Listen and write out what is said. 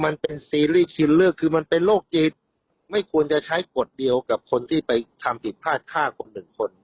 มันเป็นซีรีส์ชิลเลอร์คือมันเป็นโรคจิตไม่ควรจะใช้กฎเดียวกับคนที่ไปทำผิดพลาดฆ่าคนหนึ่งคน